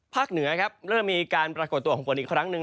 เหนือครับเริ่มมีการปรากฏตัวของฝนอีกครั้งหนึ่ง